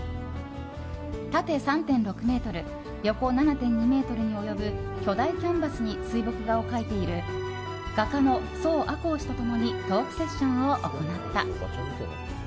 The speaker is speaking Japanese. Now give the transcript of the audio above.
縦３．６ｍ、横７．２ｍに及ぶ巨大キャンバスに水墨画を描いている画家の曹亜鋼氏と共にトークセッションを行った。